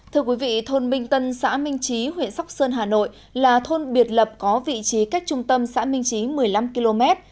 thưa quý vị thôn minh tân xã minh trí huyện sóc sơn hà nội là thôn biệt lập có vị trí cách trung tâm xã minh trí một mươi năm km